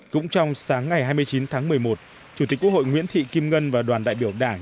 cũng trong sáng ngày hai mươi chín tháng một mươi một chủ tịch quốc hội nguyễn thị kim ngân và đoàn đại biểu đảng